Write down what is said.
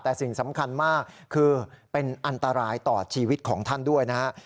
แต่สิ่งสำคัญมากคือเป็นอันตรายต่อชีวิตของท่านด้วยนะฮะ